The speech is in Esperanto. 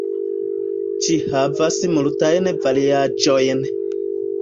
Ĝi havas multajn variaĵojn.